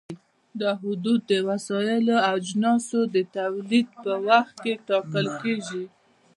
دا حدود د وسایلو او اجناسو د تولید په وخت کې ټاکل کېږي.